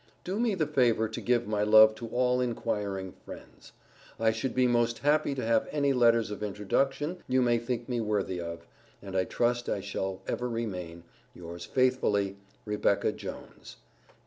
Do me the favor to give my love to all inquiring friends. I should be most happy to have any letters of introduction you may think me worthy of, and I trust I shall ever remain Yours faithfully, REBECCA JONES.